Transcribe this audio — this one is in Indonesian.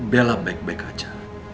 bella baik baik saja